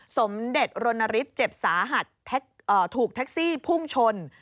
สมเด็จรณฤทธิ์เจ็บสาหัสถูกแท็กซี่พุ่งชน